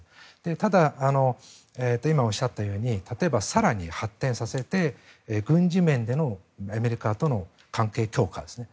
ただ、今おっしゃったように例えば更に発展させて軍事面でのアメリカとの関係強化ですね。